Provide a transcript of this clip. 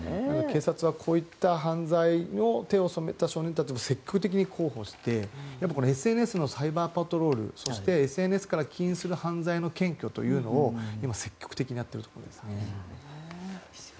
警察はこういった犯罪に手を染めた少年たちを積極的に広報してＳＮＳのサイバーパトロールそしてＳＮＳから起因する犯罪の検挙というのを積極的にやっているところです。